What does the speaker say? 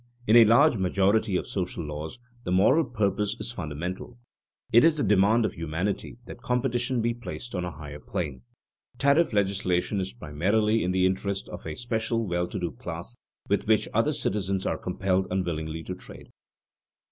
In a large majority of social laws the moral purpose is fundamental. It is the demand of humanity that competition be placed on a higher plane. Tariff legislation is primarily in the interest of a special well to do class, with which other citizens are compelled unwillingly to trade.